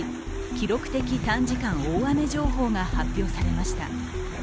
記録的短時間大雨情報が発表されました。